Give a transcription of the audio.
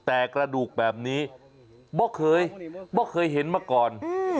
แต่กระดูกแบบนี้ไม่เคยไม่เคยเห็นมาก่อน